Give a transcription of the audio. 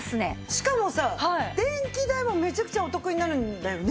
しかもさ電気代もめちゃくちゃお得になるんだよね。